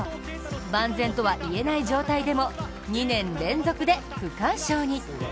万全とは言えない状態でも２年連続で区間賞に。